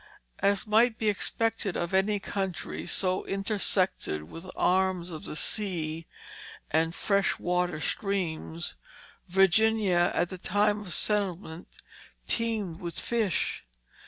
As might be expected of any country so intersected with arms of the sea and fresh water streams, Virginia at the time of settlement teemed with fish.